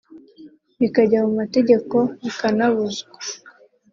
bikajya mu mategeko bikanabuzwa